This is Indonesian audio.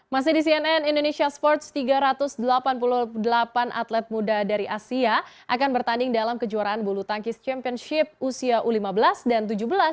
masih di cnn indonesia sports tiga ratus delapan puluh delapan atlet muda dari asia akan bertanding dalam kejuaraan bulu tangkis championship usia u lima belas dan u tujuh belas